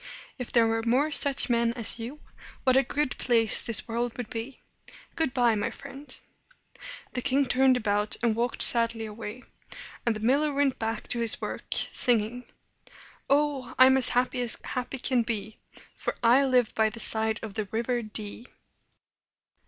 If there were more such men as you, what a good place this world would be! Good by, my friend!" The king turned about, and walked sadly away; and the miller went back to his work singing: "Oh, I'm as happy as happy can be, For I live by the side of the River Dee!"